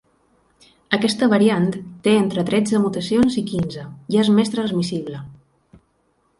Aquesta variant té entre tretze mutacions i quinze i és més transmissible.